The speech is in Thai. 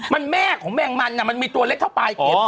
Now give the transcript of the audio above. มันแม่ของแมงมันมันมีตัวเล็กเท่าปลายเข็ม